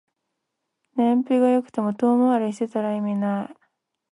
燃費が良くても遠回りしてたら意味ない